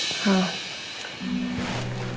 pernah rekari mama